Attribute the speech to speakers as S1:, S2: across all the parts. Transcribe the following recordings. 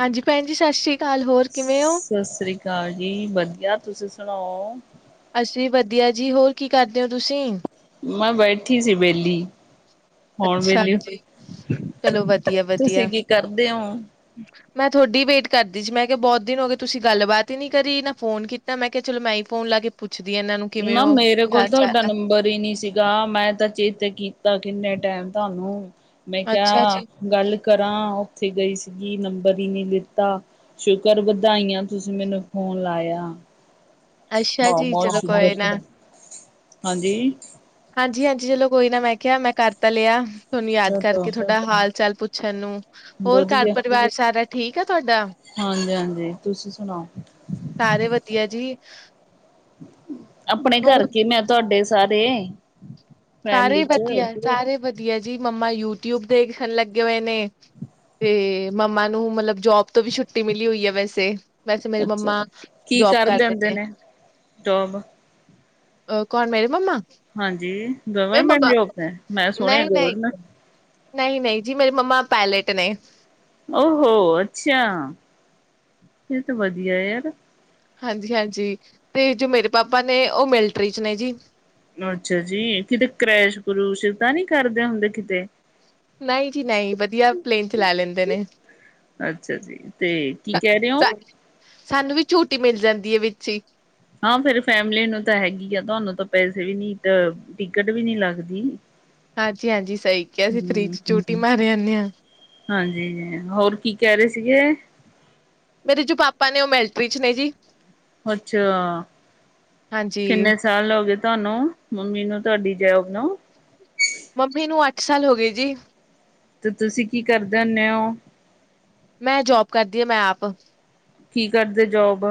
S1: ਹਾਂਜੀ ਭੈਣ ਜੀ, ਸਤਿ ਸ੍ਰੀ ਅਕਾਲ ਹੋਰ ਕਿਵੇਂ ਹੋ?
S2: ਸਤਿ ਸ੍ਰੀ ਅਕਾਲ ਜੀ, ਵਧੀਆ ਤੁਸੀਂ ਸੁਣਾਓ?
S1: ਅੱਸੀ ਵਧੀਆ ਜੀ, ਹੋਰ ਕੀ ਕਰਦੇ ਹੋ ਤੁਸੀਂ?
S2: ਮੈਂ ਬੈਠੀ ਸੀ ਬੇਲੀ
S1: ਅੱਛਾ ਜੀ, ਚਲੋ
S2: ਤੁਸੀਂ
S1: ਵਧੀਆ-ਵਧੀਆ,
S2: ਕੀ ਕਰਦੇ ਹੋ
S1: ਮੈਂ ਤੁਹਾਡੀ ਵੇਟ ਕਰਦੀ ਸੀ, ਮੈਂ ਕਿਹਾ ਬਹੁਤ ਦਿਨ ਹੋ ਗਏ ਤੁਸੀਂ ਗੱਲਬਾਤ ਹੀ ਨੀ ਕਰੀ ਨਾ ਫੋਨ ਕੀਤਾ ਮੈਂ ਕਿਹਾ ਚਲੋ ਮੈਂ ਹੀ ਫੋਨ ਲਾ ਕੇ ਪੁੱਛ
S2: ਨਾ ਮੇਰੇ ਕੋਲ ਤਾਂ ਤੁਹਾਡਾ ਨੰਬਰ ਹੀ ਨੀ ਸੀਗਾ ਮੈਂ ਤਾਂ ਚੇਤ ਕੀ ਤਾਂ ਕਿੰਨੇ ਟਾਈਮ ਤੁਹਾਨੂੰ ਮੈਂ
S1: ਆ ਅੱਛਾ
S2: ਕਿਹਾ
S1: ਜੀ
S2: ਗੱਲ ਕਰਾਂ ਉੱਥੇ ਗਈ ਸੀਗੀ ਨੰਬਰ ਹੀ ਨਹੀਂ ਲਿੱਤਾ ਸ਼ੁਕਰ ਵਧਾਈਆਂ ਤੁਸੀਂ ਮੈਨੂੰ ਫ਼ੋਨ ਲਾਇਆ।
S1: [inaudible]
S2: ਬ
S1: ਅੱਛਾ ਜੀ
S2: ਬਹੁਤ
S1: ਚਲੋ ਕੋਈ
S2: ਸ਼ੁਕਰ
S1: ਨਾ
S2: ਹਾਂਜੀ
S1: ਹਾਂਜੀ-ਹਾਂਜੀ, ਚਲੋ ਕੋਈ ਨਾ ਮੈਂ ਕਿਹਾ ਮੈਂ ਕਰ ਤਾਂ ਲਿਆ, ਤੁਹਾਨੂੰ ਯਾਦ
S2: ਚਲੋ
S1: ਕਰਕੇ ਥੋੜਾ ਹਾਲ ਚਾਲ ਪੁੱਛਣ ਨੂੰ ਹੋਰ ਘਰ
S2: ਵਧੀਆ
S1: ਪਰਿਵਾਰ ਸਾਰਾ ਠੀਕ ਆ? ਤੁਹਾਡਾ,
S2: ਹਾਂਜੀ ਹਾਂਜੀ ਤੁਸੀਂ ਸੁਣਾਓ
S1: ਸਾਰੇ ਵਧੀਆ ਜੀ
S2: ਆਪਣੇ
S1: ਹੋ
S2: ਘਰਕੇ ਮੈਂ ਤੁਹਾਡੇ ਸਾਰੇ
S1: ਸਾਰੇ
S2: ਫੈਮਲੀ ਚ
S1: ਵਧੀਆ ਸਾਰੇ ਵਧੀਆ, ਜੀ ਮੰਮਾ ਯੂਟਿਊਬ ਦੇਖਣ ਲੱਗੇ ਹੋਏ ਨੇ ਤੇ ਮੰਮਾ ਨੂੰ ਮਤਲਬ ਜੋਬ ਤੋਂ ਵੀ ਛੁੱਟੀ ਮਿਲੀ ਹੋਈ ਐ ਵੈਸੇ ਵੈਸੇ ਮੇਰੀ
S2: ਅੱਛਾ
S1: ਮੰਮਾ
S2: ਕੀ
S1: ਜੋਬ ਕਰ
S2: ਕਰਦੇ
S1: ਦੇ
S2: ਹੁੰਦੇ
S1: ਨੇ,
S2: ਜੋਬ
S1: ਅ ਕੌਣ ਮੇਰੇ ਮੰਮਾ?
S2: ਹਾਂਜੀ,
S1: ਮੇਰੇ
S2: ਗਵਰਮੈਂਟ
S1: ਮੰਮਾ
S2: ਜੋਬ ਤੇ ਮੈਂ ਸੁਣਿਆ ਗਵਰਮੈਂਟ
S1: ਨਹੀਂ-ਨਹੀਂ ਜੀ ਮੇਰੀ ਮੰਮਾ ਪੈਲੇਟ ਨੇ
S2: ਉਹ ਹੋ ਅੱਛਾ, ਇਹ ਤਾਂ ਵਧੀਆ ਯਾਰ
S1: ਹਾਂਜੀ-ਹਾਂਜੀ, ਤੇ ਜੋ ਮੇਰੇ ਪਾਪਾ ਨੇ ਉਹ ਮਿਲਟਰੀ ਚ ਨੇ ਜੀ
S2: ਅੱਛਾ ਜੀ, ਕਿਤੇ ਕਰੈਸ਼ ਕਰੂਸ ਤਾਂ ਨੀ ਕਰਦੇ ਹੁੰਦੇ ਕਿਤੇ
S1: ਨਹੀਂ ਜੀ ਨਹੀਂ ਵਧੀਆ, ਪਲੇਨ ਚਲਾ ਲੈਂਦੇ ਨੇ
S2: ਅੱਛਾ ਜੀ, ਤੇ ਕੀ ਕਹਿ ਰਹੇ ਹੋ?
S1: ਸਾਨੂੰ ਵੀ ਛੋਟੀ ਮਿਲ ਜਾਂਦੀ ਹੈ ਵਿੱਚ ਹੀ
S2: ਹਾਂ ਫੇਰ ਫੈਮਲੀ ਨੂੰ ਤਾਂ ਹੈਗੀ, ਆ ਤੁਹਾਨੂੰ ਤਾਂ ਪੈਸੇ ਵੀ ਨੀ ਟਿਕਟ ਵੀ ਨੀ ਲੱਗਦੀ
S1: ਹਾਂਜੀ-ਹਾਂਜੀ, ਸਹੀ ਕਿਹਾ ਅਸੀਂ ਫਰੀਜ਼
S2: ਹੂੰ
S1: ਚ ਚੂਟੀ ਮਾਰੇ ਜਾਂਦੇ ਹਾਂ
S2: ਹਾਂਜੀ, ਹੋਰ ਕੀ ਕਹਿ ਰਹੇ ਸੀਗੇ?
S1: ਮੇਰੇ ਜੋ ਪਾਪਾ ਨੇ ਉਹ ਮਿਲਟਰੀ ਚ ਨੇ ਜੀ
S2: ਅੱਛਾ
S1: ਹਾਂਜੀ
S2: ਕਿੰਨੇ ਸਾਲ ਹੋ ਗਏ? ਤੁਹਾਨੂੰ, ਮੰਮੀ ਨੂੰ ਤੁਹਾਡੀ ਜੋਬ ਨੂੰ
S1: ਮੰਮੀ ਨੂੰ ਅੱਠ ਸਾਲ ਹੋ ਗਏ ਜੀ
S2: ਤੇ ਤੁਸੀਂ ਕੀ ਕਰ ਦੇਨੇ ਔ?
S1: ਮੈਂ ਜੋਬ ਕਰਦੀ ਮੈਂ ਆਪ
S2: ਕੀ ਕਰਦੇ ਜੋਬ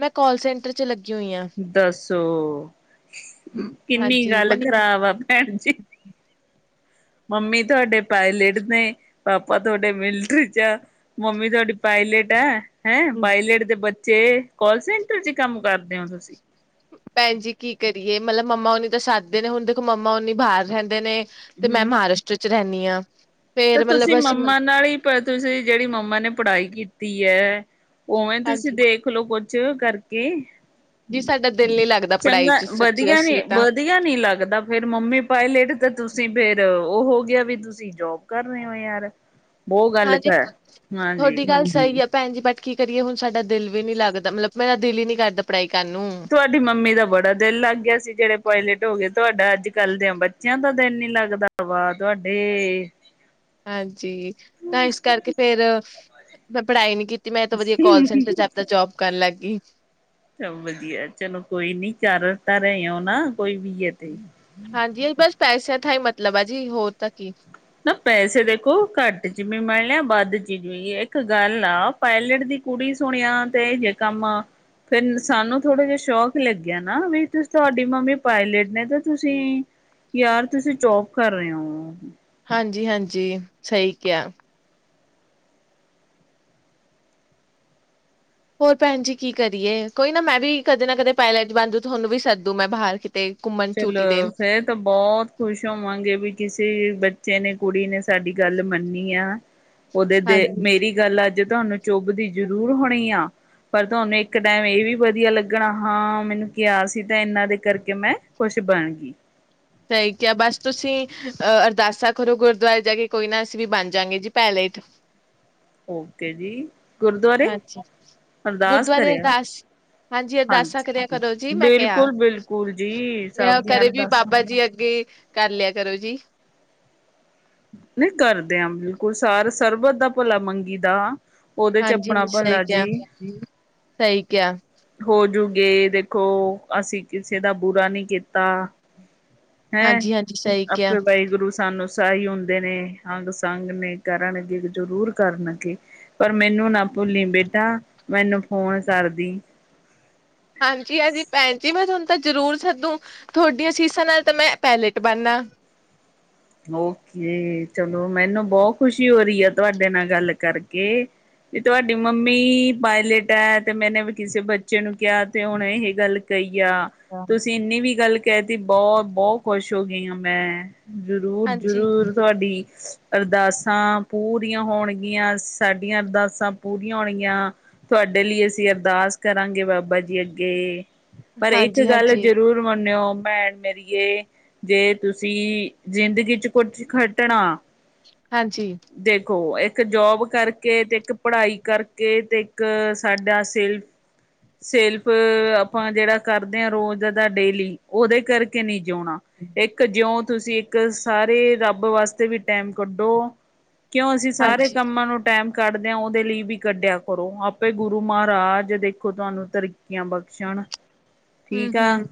S1: ਮੈਂ ਕਾਲ ਸੈਂਟਰ ਚ ਲੱਗੀ। ਹੋਈ ਆ,
S2: ਦੱਸੋ, ਕਿੰਨੀ
S1: ਹਾਂਜੀ।
S2: ਗੱਲ ਖਰਾਬ ਆ ਭੈਣ ਜੀ ਮੰਮੀ ਤੁਹਾਡੇ ਪਾਇਲਟ ਨੇ ਪਾਪਾ ਤੁਹਾਡੇ ਮਿਲਟਰੀ ਚ ਆ ਮੰਮੀ ਤੁਹਾਡੀ ਪਾਇ ਪਾਇਲਟ ਹੈ ਹੈਂ, ਪਾਇਲਟ ਦੇ ਬੱਚੇ ਕਾਲ ਸੈਂਟਰ ਚ ਕੰਮ ਕਰਦੇ ਹੋ ਤੁਸੀਂ
S1: ਭੈਣ ਜੀ ਕੀ ਕਰੀਏ, ਮਤਲਬ ਮੰਮਾ ਓਨੀ ਤਾਂ ਸੱਦਦੇ ਨੇ ਹੁਣ ਦੇਖੋ ਮੰਮਾ ਓਨੀ ਬਾਹਰ ਰਹਿੰਦੇ ਨੇ ਤੇ ਮੈਂ
S2: ਹੂੰ।
S1: ਮਹਾਰਾਸ਼ਟਰ ਚ ਰਹਿੰਦੀ ਹਾਂ
S2: ਤੇ
S1: ਫੇਰ
S2: ਤੁਸੀਂ
S1: ਮਤਲਬ ਅਸੀਂ
S2: ਮੰਮਾ ਨਾਲ ਹੀ ਤੁਸੀਂ ਜਿਹੜੀ ਮੰਮਾ ਨੇ ਪੜ੍ਹਾਈ ਕੀਤੀ ਹੈ। ਉਵੇਂ ਤੁਸੀਂ
S1: ਹਾਂਜੀ,
S2: ਦੇਖਲੋ ਕੁਛ ਕਰਕੇ
S1: ਜੀ ਸਾਡਾ ਦਿਲ ਨੀ ਲੱਗਦਾ ਪੜ੍ਹਾਈ
S2: ਚੰਗਾ
S1: ਚ ਸੱਚੀ
S2: ਵਧੀਆ ਨੀ
S1: ਦੱਸੀਏ ਤਾਂ,
S2: ਵਧੀਆ ਨੀ ਲੱਗਦਾ, ਫੇਰ ਮੰਮੀ ਪਾਏਲੇਟ ਤੇ ਤੁਸੀਂ ਤੁਸੀਂ ਫੇਰ ਉਹ ਹੋ ਗਿਆ ਵੀ ਤੁਸੀਂ ਜੋਬ ਕਰ ਰਹੇ ਹੋ ਯਾਰ, ਬਹੁਤ ਗੱਲ
S1: ਹਾਂਜੀ।
S2: ਕਰ
S1: ਤੁਹਾਡੀ
S2: ਹਾਂਜੀ
S1: ਗੱਲ ਸਹੀ ਆ ਭੈਣ ਜੀ ਬਟ ਕੀ ਕਰੀਏ ਹੁਣ ਸਾਡਾ ਦਿਲ ਵੀ ਨੀ ਲੱਗਦਾ, ਮਤਲਬ ਮੇਰਾ ਦਿਲ ਹੀ ਨੀ ਕਰਦਾ ਪੜ੍ਹਾਈ ਕਰਨ ਨੂੰ,
S2: ਤੁਹਾਡੀ ਮੰਮੀ ਦਾ ਬੜਾ ਦਿਲ ਲੱਗ ਗਿਆ ਸੀ, ਜਿਹੜੇ ਪਾਏਲੇਟ ਤੁਹਾਡਾ ਅੱਜ ਕੱਲ ਦੇ ਬੱਚਿਆਂ ਦਾ ਦਿਲ ਨੀ ਲੱਗਦਾ, ਵਾ ਤੁਹਾਡੇ
S1: ਹਾਂਜੀ ਤਾਂ ਇਸ ਕਰਕੇ, ਫੇਰ ਮੈਂ ਪੜ੍ਹਾਈ ਨੀ ਕੀਤੀ ਤੇ ਮੈਂ ਤਾਂ ਵਧੀਆ, ਕਾਲ ਸੈਂਟਰ ਚ ਆਪਾਂ ਜੋਬ ਕਰਨ ਲੱਗ ਗਈ
S2: ਚ ਵਧੀਆ ਚਲੋ ਕੋਈ ਨੀ, ਚਾਰ ਹਫਤਾ ਤਾਂ ਰਹੇ ਹੋ ਨਾ ਕੋਈ ਵੀ ਤੇ [inaudible]
S1: ਹਾਂਜੀ ਇਹ ਬਸ ਪੈਸਿਆਂ ਥ ਹੀ ਮਤਲਬ ਐ ਜੀ, ਹੋਰ ਤਾਂ ਕੀ
S2: ਨਾ ਪੈਸੇ ਦੇਖੋ ਘੱਟ ਜਿਮੀ ਮੰਲ ਲਿਆ ਬ [unintelligible] ਇੱਕ ਗੱਲ ਆ ਪਾਇਲਟ ਦੀ ਕੁੜੀ ਸੁਣਿਆ ਤੇ ਇਹ ਜੇ ਕੰਮ ਫਿਰ ਸਾਨੂੰ ਥੋੜ੍ਹਾ ਜਿਹਾ ਸ਼ੌਕ ਲੱਗਿਆ ਨਾ, ਵੀਂ ਤੁਹਾਡੀ ਮੰਮੀ ਪਾਇਲਟ ਨੇ ਤਾਂ ਤੁਸੀਂ ਯਾਰ ਤੁਸੀਂ ਜੋਬ ਕਰ ਰਹੇ ਹੋ
S1: ਹਾਂਜੀ ਹਾਂਜੀ, ਸਹੀ ਕਿਹਾ ਹੋਰ ਭੈਣ ਜੀ ਕੀ ਕਰੀਏ, ਕੋਈ ਨਾ ਮੈਂ ਵੀ ਕਦੇ ਨਾ ਕਦੇ ਪਾਯੇਲਟ ਬਣੂ ਤੁਹਾਨੂੰ ਵੀ ਸੱਦੂ ਮੈਂ ਬਾਹਰ ਕਿਤੇ ਘੁੰਮਣ ਛੁੱਟੀ
S2: ਚਲੋ
S1: ਦੇਣ
S2: ਫੇਰ ਤਾਂ ਬਹੁਤ ਖੁਸ਼ ਹੋਵਾਂਗੇ ਵੀ ਕਿਸੇ ਬੱਚੇ ਨੇ, ਕੁੜੀ ਨੇ ਸਾਡੀ ਗੱਲ ਮੰਨੀ ਆ ਉਹਦੇ ਦੇ
S1: ਹਾਂਜੀ
S2: ਮੇਰੀ ਗੱਲ ਅੱਜ ਤੁਹਾਨੂੰ, ਚੁੱਭ ਦੀ ਜ਼ਰੂਰ ਹੋਣੀ ਆ ਪਰ ਤੁਹਾਨੂੰ ਇੱਕ ਟਾਈਮ ਇਹ ਵੀ ਵਧੀਆ ਲੱਗਣਾ, ਹਾਂ ਮੈਨੂੰ ਕਿਹਾ ਸੀ ਤਾਂ ਇਹਨਾਂ ਦੇ ਕਰਕੇ ਮੈਂ ਕੁਛ ਬਣ ਗਈ
S1: ਸਹੀ ਕਿਹਾ ਬਸ ਤੁਸੀਂ ਅਹ ਅਰਦਾਸਾਂ ਕਰੋ ਗੁਰਦੁਆਰੇ ਜਾ ਕੇ, ਕੋਈ ਨਾ ਅਸੀਂ ਵੀ ਬਣ ਜਾਂਗੇ ਜੀ ਪਾਏਲੇਟ [unintelligible]
S2: ਔਕੇ ਜੀ ਗੁਰਦੁਆਰੇ
S1: ਹਾਂਜੀ
S2: ਅਰਦਾਸ
S1: ਗੁਰਦੁਆਰੇ
S2: ਕਰਿਆ
S1: ਅਰਦਾਸ ਹਾਂਜੀ ਅਰਦਾਸਾਂ ਕਰਿਆ ਕਰੋ ਜੀ, ਮੈਂ ਕਿਹਾ
S2: ਬਿਲਕੁਲ-ਬਿਲਕੁਲ ਜੀ ਸਭ
S1: ਇਹ
S2: ਦੀਆਂ
S1: ਕਰੇ ਵੀ
S2: ਅਰਦਾਸਾਂ
S1: ਬਾਬਾ ਜੀ ਅੱਗੇ ਕਰ ਲਿਆ ਕਰੋ ਜੀ
S2: ਨਹੀਂ ਕਰਦੇ ਆਂ ਬਿਲਕੁਲ, ਸਾਰ ਸਰਬਤ ਦਾ ਭਲਾ ਮੰਗੀ ਦਾ ਔਦੇ ਚ
S1: ਹਾਂਜੀ
S2: ਆਪਣਾ
S1: ਸਹੀ
S2: ਭੰਲਾ
S1: ਕਿਹਾ
S2: ਜੀ,
S1: ਸਹੀ ਕਿਹਾ
S2: ਹੋ ਜੂ ਗ ਦੇਖੋ, ਅਸੀਂ ਕਿਸੇ ਦਾ ਬੁਰਾ ਨਹੀਂ ਕੀਤਾ ਹੈਂ
S1: ਹਾਂਜੀ-ਹਾਂਜੀ ਸਹੀ ਕਿਹਾ
S2: ਆਪੇ ਵਾਹਿਗੁਰੂ ਸਾਨੂੰ ਸਾਹੀ ਹੁੰਦੇ ਨੇ, ਅੰਗ ਸੰਗ ਨੇ ਕਰਨ ਅੱਗੇ ਜ਼ਰੂਰ ਕਰਨ ਅੱਗੇ, ਪਰ ਮੈਨੂੰ ਨਾ ਭੁੱਲੀ ਬੇਟਾ, ਮੈਨੂੰ ਫੋਨ ਕਰ ਦੇਈ
S1: [unintelligible] ਹਾਂਜੀ-ਹਾਂਜੀ ਭੈਣ ਜੀ ਮੈਂ ਤੁਹਾਨੂੰ ਤਾਂ ਜ਼ਰੂਰ ਸਦੂ, ਤੁਹਾਡੀਆਂ ਅਸੀਸ਼ਾਂ ਨਾਲ ਤਾਂ, ਮੈਂ ਪਾਏਲੇਟ ਬਣਨਾ।
S2: ਔਕੇ, ਚਲੋ ਮੈਨੂੰ ਬੌ ਖੁਸ਼ੀ ਹੋ ਰੀ ਐ ਤੁਹਾਡੇ ਨਾਲ ਗੱਲ ਕਰਕੇ। ਕੀ ਤੁਹਾਡੀ ਮੰਮੀ ਪਾਯੇਲਟ ਐ, ਤੇ ਮੈਨੇ ਵੀ ਕਿਸੇ ਬੱਚੇ ਨੂੰ ਕਿਆ ਤੇ ਔਹਣੇ ਏ ਗੱਲ ਕਈ। ਯਾ ਤੁਸੀਂ ਇੰਨੀ ਵੀ ਗੱਲ ਕਹਿ ਤੀ, ਬੌਤ ਬੌ ਖੁਸ਼ ਹੋ ਗੀ ਆਂ ਮੈਂ। ਜ਼ਰੂਰ
S1: ਹਾਂਜੀ,
S2: ਜ਼ਰੂਰ ਤੁਹਾਡੀ ਅਰਦਾਸਾਂ ਪੂਰੀਆਂ ਹੋਣਗੀਆਂ‌ ਸਾਡੀਆਂ ਅਰਦਾਸਾਂ ਪੂਰੀਆਂ ਹੋਣਗੀਆਂ, ਤੁ ਤੁਹਾਡੇ ਲਈ ਅਸੀਂ ਅਰਦਾਸ ਕਰਾਂਗੇ, ਬਾਬਾ ਜੀ ਅੱਗੇ। ਪਰ ਏਕ ਗੱਲ
S1: ਹਾਂਜੀ-ਹਾਂਜੀ,
S2: ਜ਼ਰੂਰ ਮੰਨਿਓ ਭੈਣ ਮੇਰੀਏ, ਜੇ ਤੁਸੀਂ ਜ਼ਿੰਦਗੀ ਚ ਕੁੱਛ ਖੱਟਣਾ,
S1: ਹਾਂਜੀ,
S2: ਦੇਖੋ ਏ ਇੱਕ ਜੋਬ ਕਰਕੇ, ਤੇ ਇੱਕ ਪੜ੍ਹਾਈ ਕਰਕੇ, ਤੇ ਇੱਕ ਸਾਡਾ ਸਿਰ ਸਿਰ੍ਫ ਅਪਾਂ ਜੇੜਾ ਕਰਦੇ ਆਂ ਰੋਜ਼ ਦਾ ਡੇਲੀ ਔਦੇ ਕਰਕੇ ਨੀ ਜਿਉਣਾ, ਇੱਕ ਜਿਉਂ ਤੁਸੀਂ ਇੱਕ ਸਾਰੇ ਰੱਬ ਵਾਸਤੇ ਵੀ ਟੈਮ ਕੱਢੋ। ਕਿਉਂ ਅਸੀਂ ਸਾਰੇ
S1: ਹਾਂਜੀ
S2: ਕੰਮਾਂ ਨੂੰ ਟੈਮ ਕੱਢਦਿਆਂ, ਉਹਦੇ ਲਈ ਵੀ ਕੱਢਿਆ ਕਰੋ ਆਪੇ ਗੁਰੂ ਮਹਾਰਾਜ ਦੇ ਦੇਖੋ ਤੁਹਾਨੂੰ ਤਰੱਕੀਆਂ ਬਖਸ਼ਣ, ਠੀਕ ਆ।
S1: ਹੂੰ-ਹੂੰ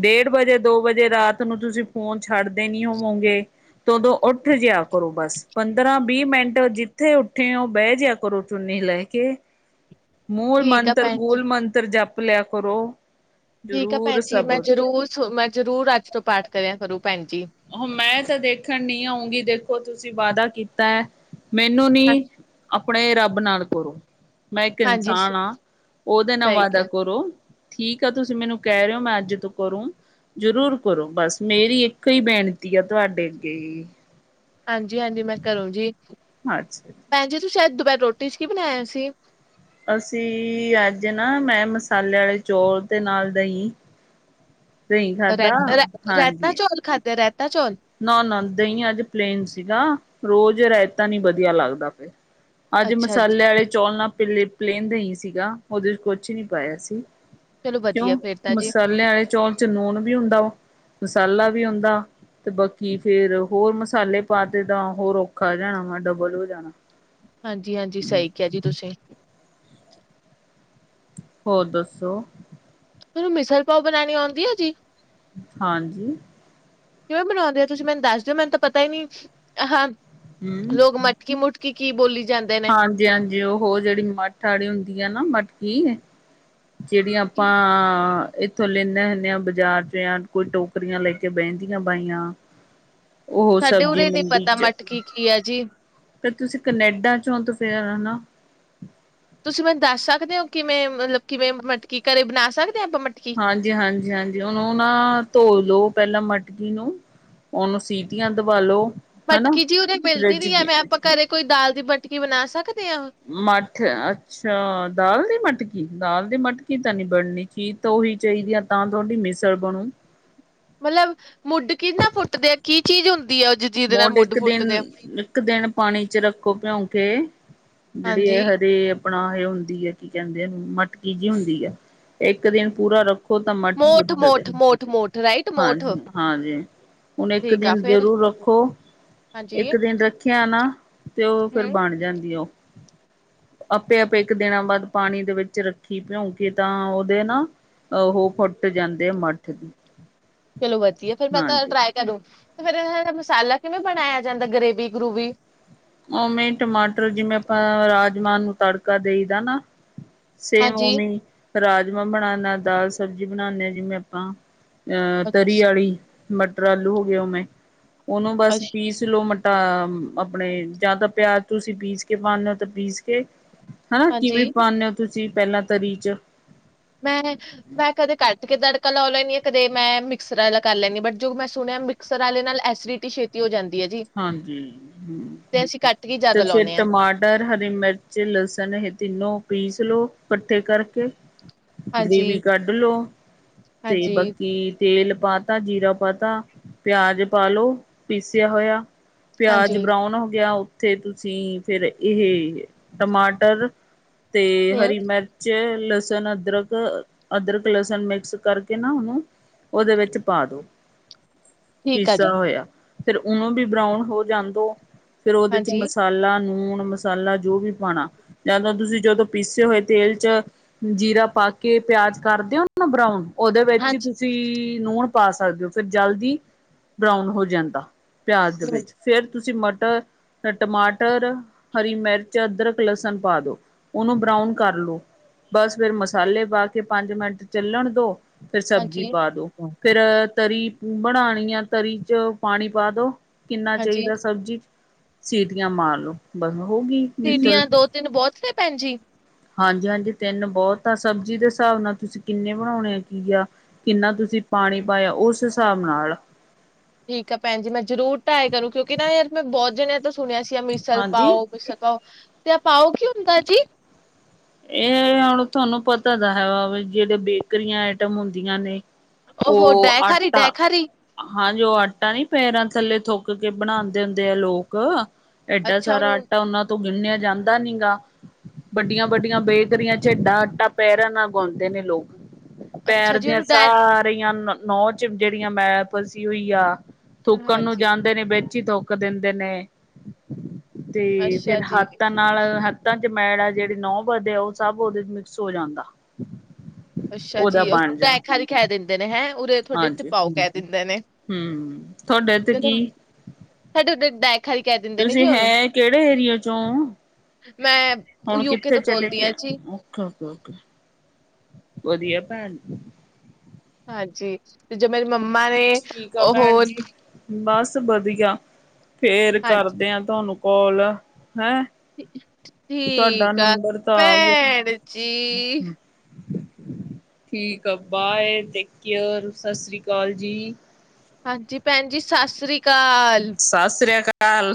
S2: ਡੇਢ ਵਜੇ ਦੋ ਵਜੇ ਰਾਤ ਨੂੰ ਤੁਸੀਂ ਫੋਨ ਛੱਡਦੇ ਨੀ ਹੋਵੋਗੇ, ਤੇ ਉਦੋਂ ਉੱਠ ਜਿਆ ਕਰੋ ਬਸ ਪੰਦਰਾਂ-ਵੀਹ ਮਿੰਟ ਜਿੱਥੇ ਉੱਠੇ ਹੋ ਬਹਿ ਜਿਆ ਕਰੋ ਚੁੰਨੀ ਲੈ ਕੇ।
S1: [inaudible]
S2: ਮੂਲ
S1: ਠੀਕ ਆ
S2: ਮੰਤਰ
S1: ਭੈਣ ਜੀ।
S2: ਮੂਲ ਮੰਤਰ ਜਪ ਲਿਆ ਕਰੋ।
S1: ਠੀਕ ਆ
S2: ਜ਼ਰੂਰ
S1: ਭੈਣ ਜੀ ਮੈਂ
S2: ਸਭ
S1: ਜ਼ਰੂਰ ਸ ਮੈਂ ਜਰੂਰ ਅੱਜ ਤੋਂ ਪਾਠ ਕਰਿਆ ਕਰੂ। ਭੈਣ ਜੀ।
S2: ਮੈਂ ਤਾਂ ਦੇਖਣ ਨੀ ਆਊਂਗੀ ਦੇਖੋ ਤੁਸੀਂ ਵਾਦਾ ਕੀਤਾ। ਮੈਨੂੰ ਨੀ, ਆਪਣੇ ਰੱਬ ਨਾਲ ਕਰੋ। ਮੈਂ ਇੱਕ
S1: ਹਾਂਜੀ
S2: ਇਨਸਾਨ ਆਂ, ਉਹਦੇ ਨਾ
S1: ਸਹੀ
S2: ਵਾਦਾ
S1: ਕਿਹਾ
S2: ਕਰੋ। ਠੀਕ ਆ ਤੁਸੀਂ ਮੈਨੂੰ ਕਹਿ ਰਹੇ ਓ ਮੈਂ ਅੱਜ ਤੋਂ ਕਰੂ, ਜ਼ਰੂਰ ਕਰੋ ਬਸ ਮੇਰੀ ਇੱਕ ਇੱਕੋ ਈ ਬੇਨਤੀ ਆ ਤੁਹਾਡੇ ਅੱਗੇ।
S1: ਹਾਂਜੀ-ਹਾਂਜੀ ਮੈਂ ਕਰੂਗੀ,
S2: ਅੱਛਾ
S1: ਭੈਣ ਜੀ ਤੁਸੀਂ ਅਜ ਦੁਪਿ ਹਰ ਰੋਟੀ 'ਚ ਕੀ ਬਣਾਇਆ ਸੀ?
S2: ਅਸੀਂ ਅੱਜ ਨਾ ਮੈਂ ਮਸਾਲੇ ਆਲੇ ਚੌਲ ਤੇ ਨਾਲ ਦਹੀਂ। ਦਹੀਂ ਖਾਧਾ
S1: ਰੈਤਾ ਰ ਰੈਤਾ ਚੌਲ ਖਾਧੇ ਰੈ
S2: ਨਾ-ਨਾ ਦਹੀਂ ਅੱਜ ਪਲੇਨ ਸੀਗਾ ਰੋਜ਼ ਰਾਇਤਾ ਨੀ ਵਧੀਆ ਲੱਗਦਾ ਫੇਰ। ਅੱਜ
S1: ਅੱਛਾ ਜੀ
S2: ਮਸਾਲੇ ਆਲੇ ਚੌਲ ਨਾਲ ਪਲੇ ਪਲੇਨ ਦਹੀਂ ਸੀਗਾ ਓਹਦੇ 'ਚ ਕੁਛ ਨੀ ਪਾਇਆ ਸੀ।
S1: ਚਲੋ ਵਧੀਆ
S2: ਕਿਉਂ,
S1: ਫੇਰ ਤਾਂ ਜੀ।
S2: ਮਸਾਲੇ ਆਲੇ ਚੌਲ 'ਚ ਨੂਣ ਵੀ ਹੁੰਦਾ ਉਹ। ਮਸਾਲਾ ਵੀ ਹੁੰਦਾ‌। ਤੇ ਬਾਕੀ ਫੇਰ ਹੋਰ ਮਸਾਲੇ ਪਾ ਤੇ ਤਾਂ ਹੋਰ ਔਖਾ ਜਾਣਾ ਵਾ ਡਬਲ ਹੋ ਜਾਣਾ।
S1: ਹਾਂਜੀ ਹਾਂਜੀ, ਸਹੀ ਕਿਆ ਜੀ ਤੁਸੀਂ।
S2: ਹੋਰ ਦੱਸੋ?
S1: ਤੈਨੂੰ ਮਿਸਲ ਪਾਓ ਬਣਾਣੀ ਔੰਦੀ ਐ ਜੀ?
S2: ਹਾਂਜੀ।
S1: ਕਿਵੇਂ ਬਣਾਂਦੇ ਔ ਤੁਸੀਂ ਮੈਨੂੰ ਦੱਸ ਦਿਓ ਮੈਨੂੰ ਤਾਂ ਪਤਾ ਈ ਨੀ? ਹਾਂ
S2: ਹੂੰ।
S1: ਲੋਗ ਮਟਕੀ ਮੁਟ ਕੀ-ਕੀ ਬੋਲੀ ਜਾਂਦੇ ਨੇ
S2: ਹਾਂਜੀ-ਹਾਂਜੀ, ਉਹੋ ਜਿਹੜੀ ਮੱਠ ਆਲੀ ਹੁੰਦੀ ਐ ਨਾ ਮਟਕੀ। ਜਿਹੜੀ ਆਪਾਂ ਇੱਥੋਂ ਲੈਂਨੇ ਹੁੰਨੇ ਆ ਬਜ਼ਾਰ 'ਚ ਯਾ ਕੋਈ ਟੋਕਰੀਆਂ ਲੈ ਕੇ ਬਹਿੰਦੀਆਂ ਬਾਈਆਂ। ਉਹੋ
S1: ਸਾਡੇ
S2: ਸਬਜ਼ੀ
S1: ਉਰੇ ਨੀ
S2: ਮੰਡੀ
S1: ਪਤਾ
S2: ਚ।
S1: ਮਟਕੀ ਕੀ ਹੈ ਜੀ
S2: ਫੇਰ ਤੁਸੀਂ ਕਨੇਡਾ ਚੋਂ ਤੇ ਫੇਰ ਹਨਾ।
S1: ਤੁਸੀਂ ਮੈਨੂੰ ਦੱਸ ਸਕਦੇ ਓ ਕਿਵੇਂ ਮਤਲਬ ਕਿਵੇਂ ਮਟਕੀ ਘਰੇ ਬਣਾ ਸਕਦੇ? ਹਾਂ ਆਪਾਂ ਮਟਕੀ
S2: ਹਾਂਜੀ ਹਾਂਜੀ ਹਾਂਜੀ ਉਹਨੂੰ ਨਾ ਧੋ ਲੋ। ਪਹਿਲਾਂ ਮਟਕੀ ਨੂੰ, ਉਹਨੂੰ ਸੀਟੀਆਂ ਦਬਾਲੋ।
S1: ਮਟਕੀ ਜੀ ਉਦੈ ਮਿਲਦੀ ਵੀ ਹੈ ਮੈਂ ਆਪਾਂ ਘਰੇ ਕੋਈ ਦਾਲ ਦੀ ਮਟਕੀ ਬਣਾ ਸਕ
S2: ਮੱਠ, ਅੱਛਾ ਦਾਲ ਦੀ ਮੱਠ। ਕੀ ਦਾਲ ਦੀ ਮਟਕੀ ਤਾਂ ਨਹੀਂ ਬਣਨੀ? ਚੀਜ਼ ਤਾਂ ਓਹੀ ਚਾਹੀਦੀ ਹੈ ਤਾਂ ਤੁਹਾਡੀ ਮਿਸਰ ਬਣੂ।
S1: ਮਤਲਬ ਮੁੱਢ ਕਿਨਾ ਫੁੱਟਦੇ ਆ ਕੀ ਚੀਜ਼ ਹੁੰ
S2: ਮੋਢ ਇੱਕ ਦਿਨ ਇੱਕ ਦਿਨ ਪਾਣੀ 'ਚ ਰੱਖੋ ਭਿਉਂਕੇ। ਜਿਹੜੀ ਇਹ
S1: ਹਾਂਜੀ
S2: ਹਜੇ ਆਪਣਾ ਇਹ ਹੁੰਦੀ ਹੈ ਕੀ ਕਹਿੰਦੇ ਇਹਨੂੰ ਮਟਕੀ ਜਿਹੀ ਹੁੰਦੀ ਹੈ। ਇੱਕ ਦਿਨ ਪੂਰਾ ਰ ਓ ਤਾਂ ਮੱਠ
S1: ਮੋਠ
S2: ਫੁੱਟਦੇ,
S1: ਮੋਠ ਮੋਠ ਮੋਠ ਰਾਈਟ ਮੋਠ
S2: ਹਾਂਜੀ ਹਾਂਜੀ। ਹੁਣ ਇੱਕ
S1: ਠੀਕ ਆ
S2: ਦਿਨ
S1: ਫੇਰ
S2: ਜ਼ਰੂਰ ਰੱਖੋ। ਉਹ,
S1: ਹਾਂਜੀ
S2: ਇੱਕ ਦਿਨ ਰੱਖਿਆ ਨਾ, ਤੇ ਉਹ ਫੇਰ
S1: ਹਮ
S2: ਬਣ ਜਾਂਦੀ ਉਹ।
S1: [unintelligible]
S2: ਆਪੇ-ਆਪੇ ਇੱਕ ਦਿਨਾਂ ਬਾਅਦ ਪਾਣੀ ਦੇ ਵਿੱਚ ਰੱਖੀ, ਭਿਉਂਕੇ ਤਾਂ ਉਹਦੇ ਨਾ ਓਹੋ ਫੁੱਟ ਜਾਂਦੇ ਆ ਮੱਠ।
S1: ਚਲੋ ਵਧੀਆ ਫੇਰ ਮੈਂ ਤਾਂ
S2: ਹਾਂਜੀ
S1: ਟਰਾਈ ਕਰੂੰ। ਫਿਰ ਇਹ ਮਸਾਲਾ ਕਿਵੇਂ ਬਣਾਇਆ ਜਾਂਦਾ ਗ੍ਰੇਵੀ-ਗਰੂਵੀ?
S2: ਉਵੇਂ ਟਮਾਟਰ, ਜਿਵੇਂ ਆਪਾਂ ਰਾਜਮਾਂ ਨੂੰ ਤੜਕਾ ਦੇਈ ਦਾ ਨਾ। ਸੇਮ
S1: ਹਾਂਜੀ
S2: ਓਵੇ ਹੀ, ਰਾਜਮਾਂ ਬਣਾਨਾ, ਦਾਲ, ਸਬਜ਼ੀ ਬਣਾਉਾਨਦੇ ਜਿਵੇਂ ਆਪਾਂ ਅਹ, ਤਰੀ
S1: ਅੱਛਾ
S2: ਆਲੀ ਮਟਰ ਆਲੂ ਹੋ ਗਿਆ। ਉਹਵੇੈਂ ਉਹਨੂੰ ਬਸ
S1: ਅੱਛਾ
S2: ਪੀਸ ਲਓ, ਮ ਤਾਂ ਆਪਣੇ ਜਾਂ ਤਾਂ ਪਿਆਜ, ਤੁਸੀਂ ਪੀਸ ਕੇ ਪਾਉਂਦੇ ਹੋ, ਤਾਂ ਪੀਸ ਕੇ। ਹਾਂ
S1: ਹਾਂਜੀ
S2: ਕਿਵੇਂ ਪਾਉਂਦੇ ਹੋ? ਤੁਸੀਂ ਪਹਿਲਾਂ ਤਰੀ 'ਚ।
S1: ਮੈਂ, ਮੈਂ ਕਦੇ ਕਰ ਤੜਕਾ ਲੱਆ ਲੈਂਦੀ ਆ, ਕਦੇ ਮੈਂ ਮਿਕਸਰ ਕਰ ਲੈੈਂਦੀ ਆ। ਬਟ ਜੋ ਮੈਂ ਸੁਣਿਆ, ਮਿਕਸਰ ਆਲੇ ਨਾਲ ਐਸੀਡਿਟੀ ਛੇਤੀ ਹੋ ਜਾਂਦੀ। ਹੈ ਜੀ
S2: ਹਾਂਜੀ, ਹਮ।
S1: ਤੇ ਅਸੀਂ ਕੱਟ ਕੇ
S2: ਤੇ
S1: ਜ਼ਿਆਦਾ
S2: ਫਿਰ,
S1: ਲਾਉਂਦੇ ਹਾਂ
S2: ਟਮਾਟਰ, ਹਰੀ ਮਿਰਚ, ਲਸਨ ਇਹ ਤਿੰਨੋ ਪੀਸ। ਲੋ ਇਕੱਠੇ ਕਰਕੇ [unintelligible]
S1: ਹਾਂਜੀ
S2: ਗ੍ਰੇਵੀ ਕੱਢ ਲੋ, ਤੇ
S1: ਹਾਂਜੀ
S2: ਬਾਕੀ? ਤੇਲ ਪਾ ਤਾ, ਜੀਰਾ ਪਾ ਤਾ, ਪਿਆਜ਼ ਪਾ ਲਉ ਪੀਸਿਆ ਹੋਇਆ। ਪਿਆਜ
S1: ਹਾਂਜੀ
S2: ਬਰਾਉਨ ਹੋ ਗਿਆ। ਉੱਥੇ ਤੁਸੀਂ ਫੇਿਰ ਇਹ ਟਮਾਟਰ। ਤੇ
S1: ਹਮ
S2: ਹਰੀ ਮਿਰਚ। ਲਸਣ, ਅਦਰਕ, ਅਦਰਕ- ਲਸਣ ਮਿਕਸ ਕਰਕੇ ਨਾ, ਉਹਨੂੰ। ਉਹਦੇ ਵਿੱਚ ਪਾ ਦੋ।
S1: ਠੀਕ ਆ
S2: ਪੀਸਾ
S1: ਜੀ
S2: ਹੋਇਆ, ਫਿਰ ਉਹਨੂੰ ਵੀ ਬਰਾਊਨ ਹੋ ਜਾਂਦ ਦੋ। ਫੇਰ ਉਹਦੇ 'ਚ
S1: ਹਾਂਜੀ
S2: ਮਸਾਲਾ, ਨੂਣ। ਮਸਾਲਾ ਜੋ ਵੀ ਪਾਉਣਾ, ਜਾਂ ਤਾਂ ਤੁਸੀਂ ਜਦੋਂ ਪੀਸੇ ਹੋਏ ਤੇਲ 'ਚ ਜੀਰਾ ਪਾ ਕੇ। ਪਿਆਜ ਕਰਦੇ, ਉਹਨੂੰ ਬਰਾਊਨ। ਉਹਦੇ ਵਿੱਚ ਹੀ
S1: ਹਾਂਜੀ
S2: ਤੁਸੀਂ ਨੂਣ ਪਾ ਸਕਦੇ ਹੋ, ਫਿਰ ਜਲਦੀ ਬਰਾਊਨ ਹੋ ਜਾਂਦਾ। ਪਿਆਜ਼ ਦੇ
S1: ਹੂੰ,
S2: ਵਿੱਚ ਫੇਰ ਤੁਸੀਂ ਮਟਰ। ਫੇਰ, ਟਮਾਟਰ, ਹਰੀ ਮਿਰਚ, ਅਦਰਕ, ਲਸਣ ਪਾ ਦੋ, ਉਹਨੂੰ ਬਰਾਊਨ ਕਰ ਲੋ। ਬਸ ਫਿਰ, ਮਸਾਲੇ ਪਾ ਕੇ ਪੰਜ ਮਿੰਟ ਚੱਲਣ ਦੋ। ਫਿਰ ਸਬਜ਼ੀ
S1: ਹਾਂਜੀ
S2: ਪਾ ਦੋ, ਫੇਰ ਤਰੀ ਬਣਾਉਣੀ ਆ, ਤਰੀ 'ਚ ਪਾਣੀ ਪਾ ਦੋ। ਕਿੰਨਾ
S1: ਹਾਂਜੀ
S2: ਚਾਹੀਦਾ? ਸਬਜ਼ੀ 'ਚ ਸਿੱਟਿਆ ਮਾਰ ਲਓ।
S1: ਸੀਟੀਆਂ ਦੋ-ਤਿੰਨ ਬਹੁਤ ਨੇ, ਭੈਣਜੀ।
S2: ਹਾਂਜੀ, ਹਾਂਜੀ। ਤਿੰਨ ਬਹੁਤ ਆ, ਸਬਜ਼ੀ ਦੇ ਹਿਸਾਬ ਨਾਲ। ਤੁਸੀਂ ਕਿੰਨੇ ਬਣਾਉਣੇ ਆ? ਕੀ ਆ? ਕਿੰਨਾ ਤੁਸੀਂ? ਤੁਸੀਂ ਪਾਣੀ ਪਾਇਆ, ਉਸ ਹਿਸਾਬ ਨਾਲ।
S1: ਠੀਕ ਹੈ, ਭੈਣਜੀ! ਮੈਂ ਜ਼ਰੂਰ ਟਰਾਈ ਕਰੂੰ, ਕਿਉਂਕਿ ਨਾ ਯਾਰ, ਮੈਂ ਬਹੁਤ ਜਣੇਯਾਂ ਤੋ ਸ ਹੁਣ ਅਸੀਂ ਮਿਸਲ
S2: ਹਾਂਜੀ
S1: ਪਾਓ ਕੋਈ ਸਤੋ ਤੇ ਪਾਓ ਕੀ ਹੁੰਦਾ ਜੀ।
S2: ਇਹ ਹੁਣ ਤੁਹਾਨੂੰ ਪਤਾ ਦਾ ਹੈ, ਵ ਵੀ ਜਿਹੜੇ ਬੇਕਰੀਆਂ ਆਈਟਮ ਹੁੰਦੀਆਂ ਨੇ। ਉਹ
S1: ਡੈ ਖਾਰੀ ਡੈ
S2: ਆਟਾ।
S1: ਖਾਰੀ
S2: ਹਾਂਜੀ, ਉਹ ਆਟਾ ਨੀ, ਪੈਰਾਂ ਥੱਲੇ ਥੁੱਕ ਕੇ ਬਣਾਉਂਦੇ ਹੁੰਦੇ ਆ ਲੋਕ। ਏਡਾ
S1: ਅੱਛਾ
S2: ਸਾਰਾ
S1: ਉਹਨੂੰ
S2: ਆਟਾ ਉਹਨਾਂ ਤੋਂ ਗੁੰਨਿਆ ਜਾਂਦਾ ਨੀ ਗਾ ਵੱਡੀਆਂ ਵੱਡੀਆਂ ਬੈਕਰੀਆਂ ਚ ਆਟਾ ਪੈਰਾਂ ਨਾਲ। ਉ ਗਾਉਂਦੇ ਨੇ ਲੋਕ
S1: ਅੱਛਾ
S2: ਪੈਰ
S1: ਜੀ
S2: ਦੀਆਂ
S1: ਉਹਨੂੰ ਡੈ
S2: ਸਾਰੀਆਂ ਨੂੰ ਚ ਜਿਹੜੀਆਂ ਮੇਲ ਸੀ ਹੋਈ ਆ ਥੁੱਕਣ ਨੂੰ
S1: ਹਾਂਜੀ
S2: ਜਾਂਦੇ ਨੇ ਤੋੱਕ ਦਿੰਦੇ ਨੇ ਤੇ
S1: ਅੱਛਾ
S2: ਫੇਿਰ
S1: ਜੀ
S2: ਹੱਥਾਂ ਨਾਲ ਹੱਥਾਂ ਮੈਲ ਜਿਹੜੀ ਨਹ ਵਧ ਆ ਉਹ ਸਭ ਉਹਦੇ ਚ ਮਿਕਸ ਹੋ ਜਾਂਦਾ
S1: ਅੱਛਾ
S2: ਉਹਦਾ
S1: ਜੀ ਉਹੂੰ
S2: ਬਣ ਜਾ
S1: ਟੈ ਹਾਰੀ ਖਹਿ ਦਿੰਦੇ ਨੇ ਹੈਂ ਉਰੇ ਤੁਹਾਡੇ ਇੱਥੇ
S2: ਹਾਂਜੀ
S1: ਪਾਓ ਕਹਿ ਦਿੰਦੇ ਨੇ
S2: ਹਮ ਤੁਹਾਡੇ ਤੇ ਕੀ
S1: ਚਲੋ ਸਾਡੇ ਉਰੇ ਡੈ ਖਾਰੀ ਕਹਿ ਦਿੰਦੇ ਨੇ
S2: ਤੁਸੀਂ
S1: ਜੀ ਉਹਨੂੰ
S2: ਹੈ ਕਿਹੜੇ ਏਰੀਏ ਚੋਂ
S1: ਮੈਂ
S2: ਹੁਣ
S1: ਯੂਕੇ
S2: ਕਿੱਥੇ
S1: ਤੋਂ
S2: ਚਲੇ
S1: ਬੋਲਦੀ
S2: ਗਏ
S1: ਹਾਂ ਜੀ
S2: ਵਧੀਆ ਭੈਣ,,,,
S1: ਹਾਂਜੀ ਤੇ ਜੋ ਮੇ
S2: ਠੀਕ ਆ ਭੈਣ ਜੀ ਬਸ ਵਧੀਆ ਫੇਰ
S1: ਹਾਂਜੀ
S2: ਕਰਦੇ ਆ ਤੁਹਾਨੂੰ ਕੋਲ ਹੈਂ ਤੁਹਾਡਾ
S1: ਠੀਕ ਆ
S2: ਨੰਬਰ ਤਾਂ ਆ ਗਿਆ
S1: ਭੈਣ ਜੀ
S2: ਠੀਕ ਆ bye take care Sat Sri ਅਕਾਲ ਜੀ
S1: ਹਾਂਜੀ ਭੈਣ ਜੀ ਸਤਿ ਅਕਾਲ।
S2: ਸਤਿ ਸ੍ਰੀ ਅਕਾਲ